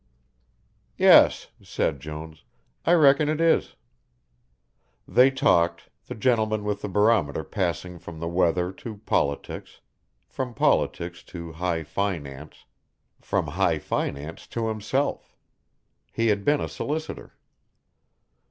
"Yes," said Jones, "I reckon it is." They talked, the gentleman with the barometer passing from the weather to politics, from politics to high finance, from high finance to himself. He had been a solicitor.